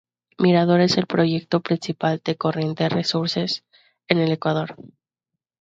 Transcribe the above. Mirador es el proyecto principal de Corriente Resources en el Ecuador.